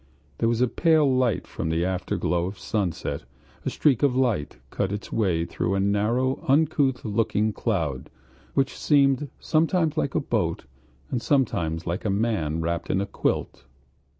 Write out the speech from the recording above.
There was a pale light from the afterglow of sunset; a streak of light cut its way through a narrow, uncouth looking cloud, which seemed sometimes like a boat and sometimes like a man wrapped in a quilt....